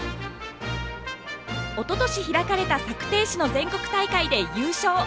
おととし開かれた削てい師の全国大会で優勝。